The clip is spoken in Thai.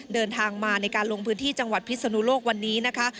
เดินทางมาในการลงพื้นที่จังหวัดพิศนุโลกวันนี้นะคะ